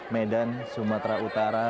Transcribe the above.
medan sumatera utara